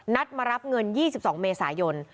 นัดมารับเงิน๒๒เมษายน